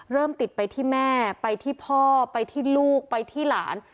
เริ่มติดไปที่แม่ไปที่พ่อไปที่ลูกไปที่หลาน